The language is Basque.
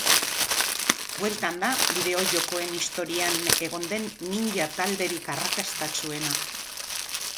Bueltan da bideo-jokoen historian egon den ninja talderik arrakastatsuena.